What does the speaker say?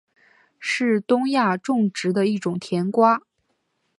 是东亚种植的一种甜瓜。